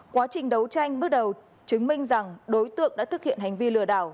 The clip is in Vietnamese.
quá trình đấu tranh bước đầu chứng minh rằng đối tượng đã thực hiện hành vi lừa đảo